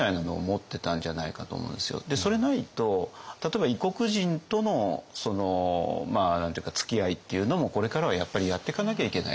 それないと例えば異国人とのつきあいっていうのもこれからはやっぱりやってかなきゃいけないと。